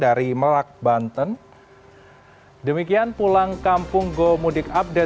dan saya akan sedikit membicarakan tentang cuaca cuaca ini